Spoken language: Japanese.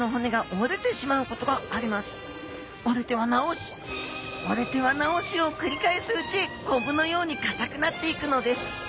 折れては治し折れては治しをくり返すうちコブのようにかたくなっていくのです。